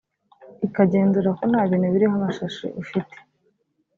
ikagenzura ko nta bintu biriho amashashi ufite